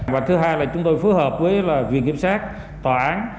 và thứ hai là chúng tôi phối hợp với viện kiểm sát tòa án